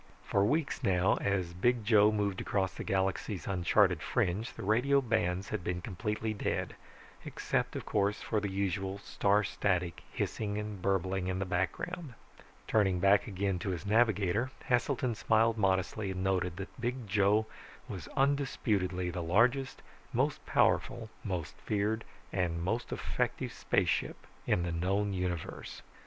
For weeks now, as Big Joe moved across the galaxy's uncharted fringe, the radio bands had been completely dead, except, of course, for the usual star static hissing and burbling in the background. Turning back again to his navigator, Heselton smiled modestly and noted that Big Joe was undisputedly the largest, most powerful, most feared, and most effective spaceship in the known universe.